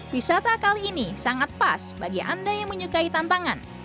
wisata kali ini sangat pas bagi anda yang menyukai tantangan